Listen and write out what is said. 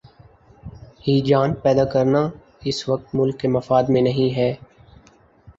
ہیجان پیدا کرنا اس وقت ملک کے مفاد میں نہیں ہے۔